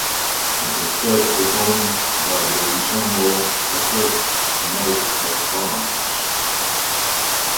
It was first performed by the ensemble Accroche-Note of France.